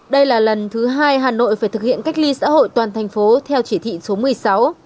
đây là lần thứ hai hà nội phải thực hiện cách ly xã hội toàn thành phố theo chỉ thị số một mươi sáu